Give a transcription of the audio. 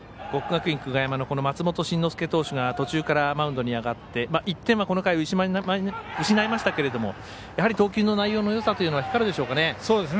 国学院久我山の松本慎之介投手が途中からマウンドに上がって１点はこの回失いましたけれどもやはり投球の内容のよさというのは光るでしょうか？